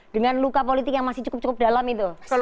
dengan luka politik yang masih cukup cukup dalam itu